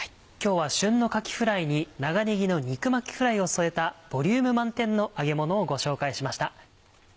今日は旬のかきフライに長ねぎの肉巻きフライを添えたボリューム満点の揚げものをご紹介しました。